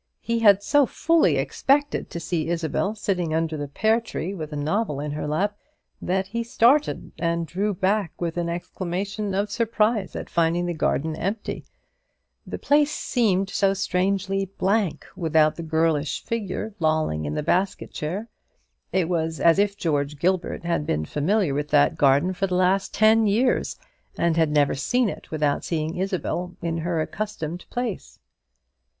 He had so fully expected to see Isabel sitting under the pear tree with a novel in her lap, that he started and drew back with an exclamation of surprise at finding the garden empty; the place seemed so strangely blank without the girlish figure lolling in the basket chair. It was as if George Gilbert had been familiar with that garden for the last ten years, and had never seen it without seeing Isabel in her accustomed place.